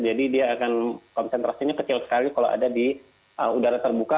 jadi dia akan konsentrasinya kecil sekali kalau ada di udara terbuka